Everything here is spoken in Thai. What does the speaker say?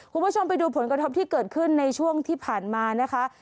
คุณผู้ชมไปดูผลกระทบที่เกิดขึ้นในช่วงที่ผ่านมานะคะ